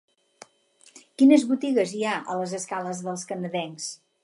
Quines botigues hi ha a les escales dels Canadencs?